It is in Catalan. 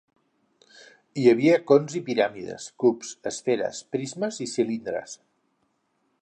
Hi havia cons i piràmides, cubs, esferes, prismes i cilindres.